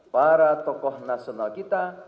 para tokoh nasional kita